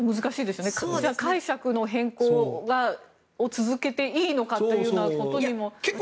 解釈の変更を続けていいのかということにも。